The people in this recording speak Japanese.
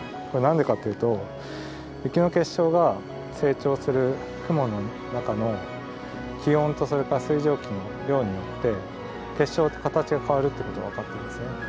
これ何でかっていうと雪の結晶が成長する雲の中の気温とそれから水蒸気の量によって結晶って形が変わるってことが分かってるんですね。